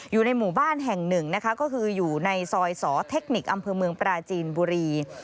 อยู่ในหมู่บ้านแห่งหนึ่งนะคะก็คืออยู่ในซอยสอเทคนิคอำเภอเมืองปราจีนบุรี